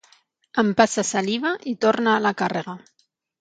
Empassa saliva i torna a la càrrega.